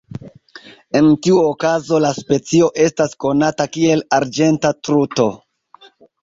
En tiu okazo la specio estas konata kiel "arĝenta truto".